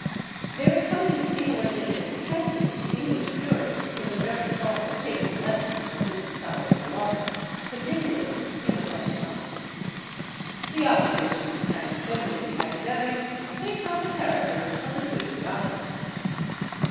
There is something inordinately offensive to English purists in the very thought of taking lessons from this side of the water, particularly in the mother tongue. The opposition, transcending the academic, takes on the character of the patriotic.